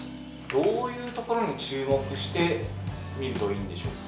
◆どういうところに注目して見るといいんでしょうか。